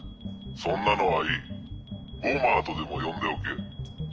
そんなのはいい「ボマー」とでも呼んでおけ。